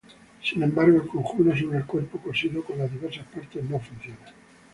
Sin embargo el conjuro sobre el cuerpo cosido con las diversas partes no funciona.